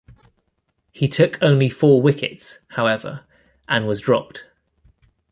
He took only four wickets, however, and was dropped.